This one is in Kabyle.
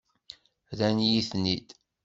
Rran-iyi-ten-id.